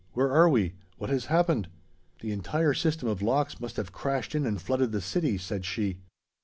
"Where are we? What has happened?" "The entire system of locks must have crashed in and flooded the city," said she.